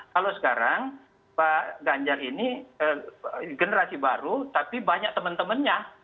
kalau sekarang pak ganjar ini generasi baru tapi banyak teman temannya